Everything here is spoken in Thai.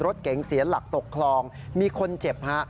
รถเก๋งเสียหลักตกคลองมีคนเจ็บฮะ